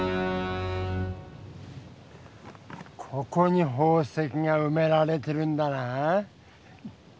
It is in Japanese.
ここに宝石がうめられてるんだな？